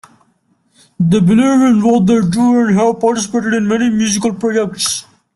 They believe in what they do and have participated in many musical projects.